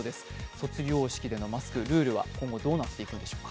卒業式でのマスク、ルールは今後どうなっていくんでしょうか。